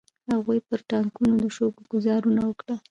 هغوی پر ټانګونو د شګو ګوزارونه وکړل.